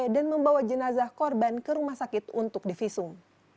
dan membawa jenazah korban ke rumah sakit untuk divisum